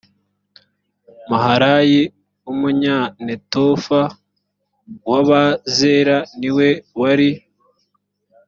maharayi w umunyanetofa w abazera ni we wari